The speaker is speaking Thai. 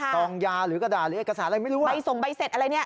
ตองยาหรือกระดาษหรือเอกสารอะไรไม่รู้ใบส่งใบเสร็จอะไรเนี่ย